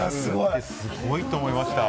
すごいと思いました。